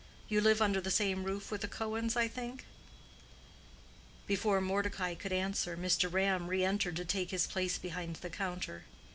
"You live under the same roof with the Cohens, I think?" Before Mordecai could answer, Mr. Ram re entered to take his place behind the counter.